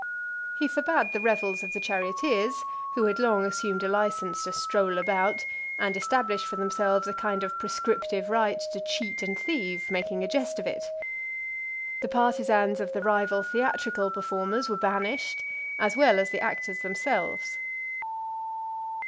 (348) He forbad the revels of the charioteers, who had long assumed a licence to stroll about, and established for themselves a kind of prescriptive right to cheat and thieve, making a jest of it. The partisans of the rival theatrical performers were banished, as well as the actors themselves.